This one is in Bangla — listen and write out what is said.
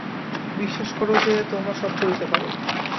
বিশ্বাস কর যে তোমরা সব করিতে পার।